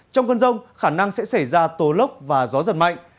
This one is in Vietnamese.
trong cơn rông khả năng sẽ xảy ra tố lốc và gió giật mạnh